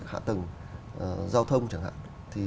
hạ tầng giao thông chẳng hạn